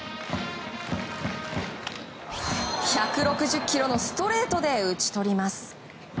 １６０キロのストレートで打ち取ります。